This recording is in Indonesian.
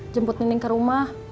jemput nining ke rumah